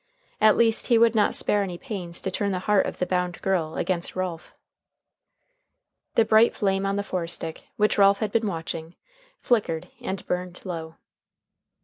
At least he would not spare any pains to turn the heart of the bound girl against Ralph. The bright flame on the forestick, which Ralph had been watching, flickered and burned low.